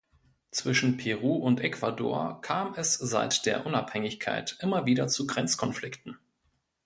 Zwischen Peru und Ecuador kam es seit der Unabhängigkeit immer wieder zu Grenzkonflikten.